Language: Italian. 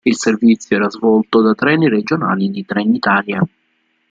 Il servizio era svolto da treni regionali di Trenitalia.